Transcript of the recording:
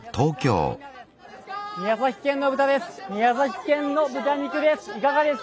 宮崎県の豚です。